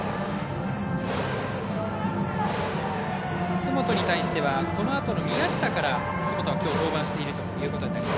楠本に対してはこのあとの宮下から楠本は登板しているということになります。